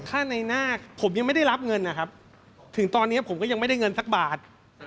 ค่าในหน้าผมยังไม่ได้รับเงินนะครับถึงตอนนี้ผมก็ยังไม่ได้เงินสักบาท